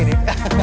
ini gaya bebas